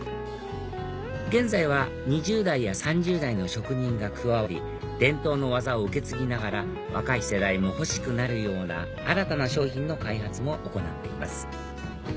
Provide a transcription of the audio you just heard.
現在は２０代や３０代の職人が加わり伝統の技を受け継ぎながら若い世代も欲しくなるような新たな商品の開発も行っています